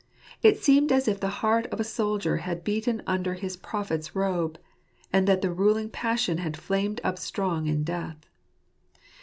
It seemed as if the heart of a soldier had beaten under his prophet's robe, and that the ruling passion had flamed up strong in death.